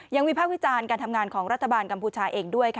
ยังวิพากษ์วิจารณ์การทำงานของรัฐบาลกัมพูชาเองด้วย